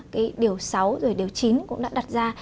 cái điều sáu rồi điều chín cũng đã đặt ra